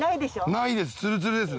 ないです